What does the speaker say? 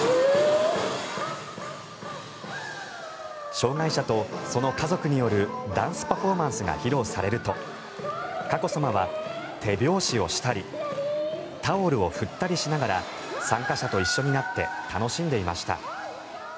障害者とその家族によるダンスパフォーマンスが披露されると佳子さまは手拍子をしたりタオルを振ったりしながら参加者と一緒になって楽しんでいました。